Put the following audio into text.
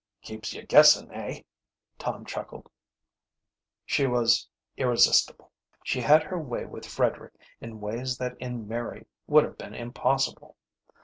"Keeps you guessing, eh?" Tom chuckled. She was irresistible. She had her way with Frederick in ways that in Mary would have been impossible.